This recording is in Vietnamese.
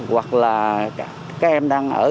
hoặc là các em đang ở